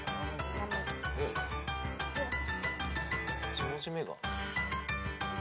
１文字目が。